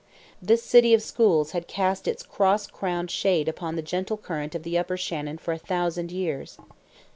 This city of schools had cast its cross crowned shade upon the gentle current of the Upper Shannon for a thousand years.